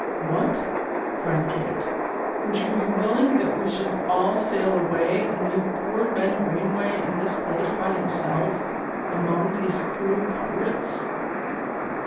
"What!" cried Kate, "would you be willing that we should all sail away and leave poor Ben Greenway in this place by himself among these cruel pirates?"